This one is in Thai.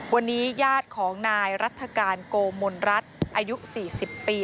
วันนี้ญาติของนายรัฐกาลโกมลรัฐอายุ๔๐ปี